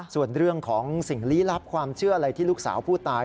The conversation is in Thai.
ส่วนเรื่องของสิ่งลี้ลับความเชื่ออะไรที่ลูกสาวผู้ตาย